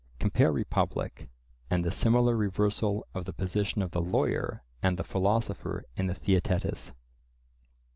(Compare Republic, and the similar reversal of the position of the lawyer and the philosopher in the Theaetetus).